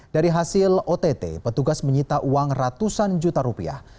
dari hasil ott petugas menyita uang ratusan juta rupiah